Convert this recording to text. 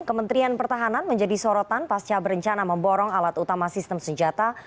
kementerian pertahanan menjadi sorotan pasca berencana memborong alat utama sistem senjata